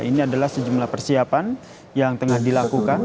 ini adalah sejumlah persiapan yang tengah dilakukan